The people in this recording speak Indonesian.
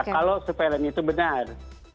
kalau surveillance itu benar